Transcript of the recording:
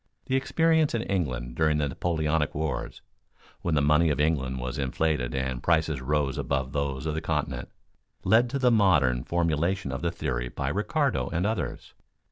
The experience in England during the Napoleonic wars, when the money of England was inflated and prices rose above those of the Continent, led to the modern formulation of the theory by Ricardo and others.